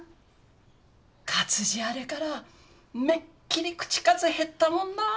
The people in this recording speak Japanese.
あれからめっきり口数減ったもんなぁ。